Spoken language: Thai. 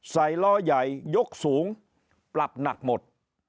ล้อใหญ่ยกสูงปรับหนักหมด